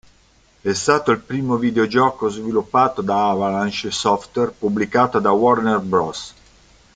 È stato il primo videogioco sviluppato da Avalanche Software pubblicato da Warner Bros.